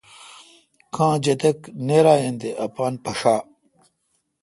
کاں جتک نییر این تے اپان پھݭا ۔